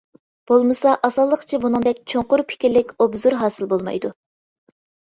بولمىسا ئاسانلىقچە بۇنىڭدەك چوڭقۇر پىكىرلىك ئوبزور ھاسىل بولمايدۇ.